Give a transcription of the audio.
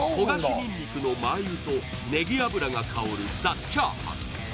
にんにくのマー油とねぎ油が香る、ザ★チャーハン。